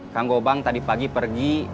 kang gobang tadi pagi pergi